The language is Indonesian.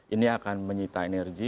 ini akan menyita energi